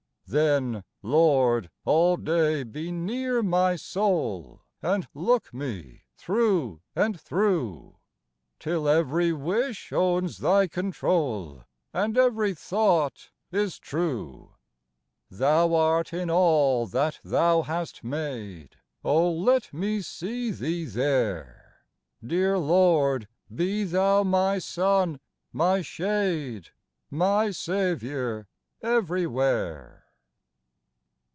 Then, Lord, all day be near my soul, And look me through and through, Till every wish owns Thy control, And every thought is true ! Thou art in all that Thou hast made : Oh, let me see Thee there ! Dear Lord, be Thou my sun, my shade, — My Saviour everywhere